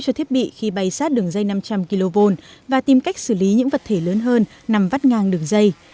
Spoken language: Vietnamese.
cho thiết bị khi bay sát đường dây năm trăm linh kv và tìm cách xử lý những vật thể lớn hơn nằm vắt ngang đường dây